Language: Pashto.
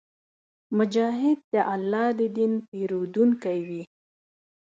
مجاهد د الله د دین پېرودونکی وي.